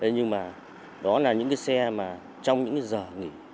nhưng mà đó là những cái xe mà trong những giờ nghỉ